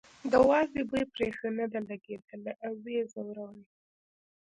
د وازدې بوی پرې ښه نه دی لګېدلی او یې ځوروي.